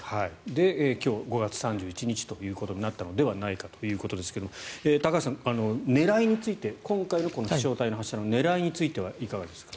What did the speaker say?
で、今日５月３１日ということになったのではないかということですが高橋さん、狙いについて今回の飛翔体発射の狙いについてはいかがですか？